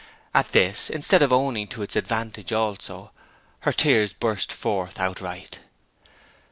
At this, instead of owning to its advantage also, her tears burst forth outright.